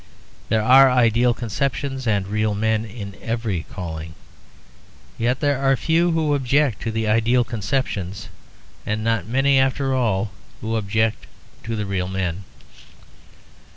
There are ideal conceptions and real men in every calling; yet there are few who object to the ideal conceptions, and not many, after all, who object to the real men.